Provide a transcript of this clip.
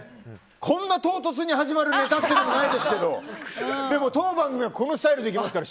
こんな唐突に始まるネタもないですけどでも当番組はこのスタイルでいきますから。